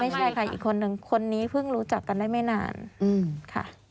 ไม่ใช่ค่ะอีกคนนึงคนนี้เพิ่งรู้จักกันได้ไม่นานค่ะ